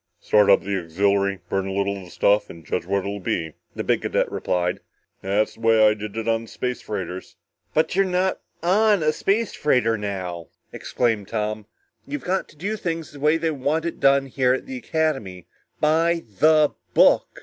"Start up the auxiliary, burn a little of the stuff and judge what it'll be," the big cadet replied. "That's the way I did it on the space freighters." "But you're not on a space freighter now!" exclaimed Tom. "You've got to do things the way they want it done here at the Academy. By the book!